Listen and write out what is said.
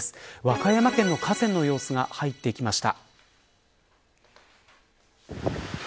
和歌山県の河川の様子が入ってきました。